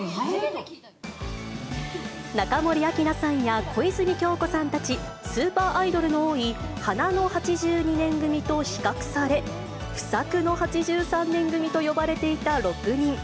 中森明菜さんや小泉今日子さんたち、スーパーアイドルの多い花の８２年組と比較され、不作の８３年組と呼ばれていた６人。